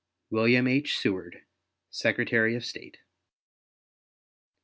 WILLIAM H. SEWARD, Secretary of State.